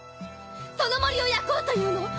その森を焼こうというの？